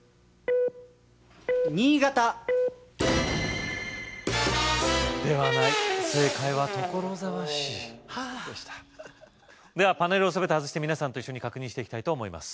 新潟ではない正解は所沢市でしたではパネルをすべて外して皆さんと一緒に確認していきたいと思います